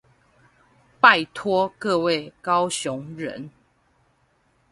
拜託各位高雄人